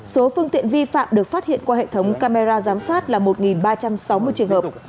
số phương tiện vi phạm được phát hiện qua hệ thống camera giám sát là một ba trăm sáu mươi trường hợp